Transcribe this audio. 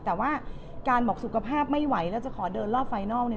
แต่ว่าการบอกสุขภาพไม่ไหวแล้วจะขอเดินรอบไฟนอลเนี่ย